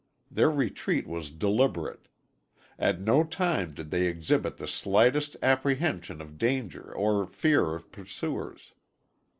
Their retreat was deliberate. At no time did they exhibit the slightest apprehension of danger or fear of pursuers.